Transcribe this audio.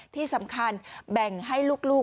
ที่สำคัญแบ่งให้ลูก